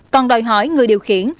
còn đòi hỏi người điều khiển